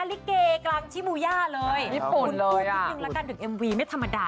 ที่ชิบูย่าก็ไม่ธรรมดาเขาไปรำอะไรนะลิเกย์กลางชิบูย่าเลย